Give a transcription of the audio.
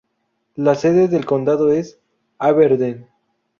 La sede del condado es Aberdeen.